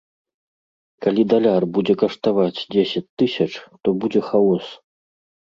Калі даляр будзе каштаваць дзесяць тысяч, то будзе хаос.